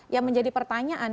yang menjadi pertanyaan